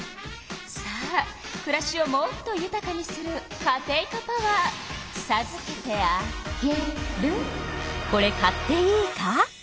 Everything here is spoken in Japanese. さあくらしをもっとゆたかにするカテイカパワーさずけてあげる。